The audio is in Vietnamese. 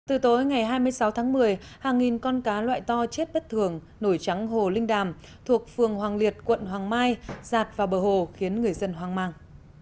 từ tối ngày hai mươi sáu tháng một mươi hàng nghìn con cá loại to chết bất thường nổi trắng hồ linh đàm thuộc phường hoàng liệt quận hoàng mai giạt vào bờ hồ khiến người dân hoang mang